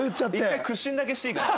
１回屈伸だけしていいかな？